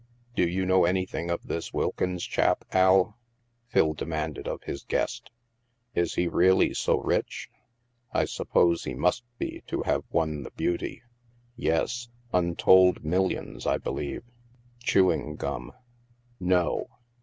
" Do you know anything of this Wilkins chap, Al ?" Phil demanded of his guest. " Is he really so rich? I suppose he must be, to have won the beauty." "Yes. Untold millions, I believe. Chewing gum." "No!"